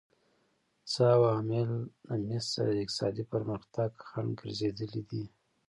څه عوامل د مصر د اقتصادي پرمختګ خنډ ګرځېدلي دي؟